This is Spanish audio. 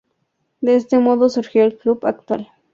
De este modo surgió el club actual.